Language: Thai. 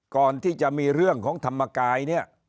ก่อนที่จะมีเรื่องของธรรมกายเนี่ย